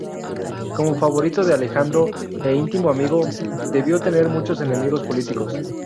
Como favorito de Alejandro e íntimo amigo, debió tener muchos enemigos políticos.